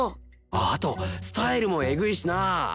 あとスタイルもエグいしなあ。